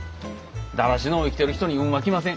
だらしのう生きてる人に運は来ません。